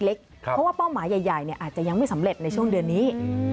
เพราะว่าเป้าหมายใหญ่อาจจะยังไม่สำเร็จในช่วงเดือนนี้